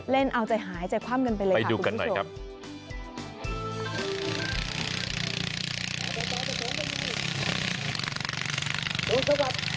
เล่นเอาใจหายใจคว่ำกันไปเลยค่ะคุณผู้ชมไปดูกันหน่อยครับ